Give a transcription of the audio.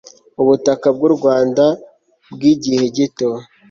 ubutaka bw u Rwanda by igihe gito